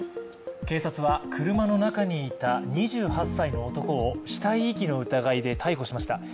警察は車の中にいた２８歳の男を死体遺棄の疑いで逮捕しました。